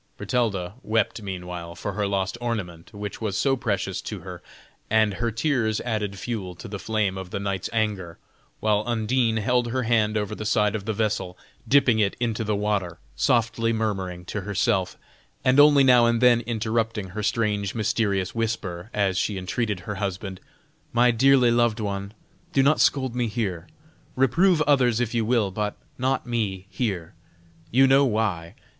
Bertalda wept meanwhile for her lost ornament, which was so precious to her, and her tears added fuel to the flame of the knight's anger, while Undine held her hand over the side of the vessel, dipping it into the water, softly murmuring to herself, and only now and then interrupting her strange mysterious whisper, as she entreated her husband: "My dearly loved one, do not scold me here; reprove others if you will, but not me here. You know why!"